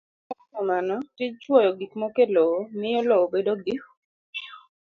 E yo machalo kamano, tij chwoyo gik moko e lowo miyo lowo bedo gi